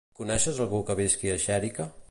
Coneixes algú que visqui a Xèrica?